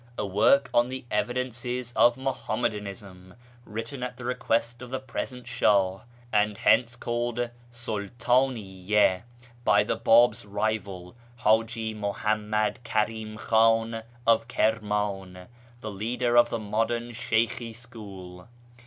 A work on the evidences of Muhammadanism, written at the request of the present Sh;ih (and hence called Sultdniyya) by the Bab's rival, Haji Muhammad Karim Khan of Kirman, the leader of the modern Sheykhi school.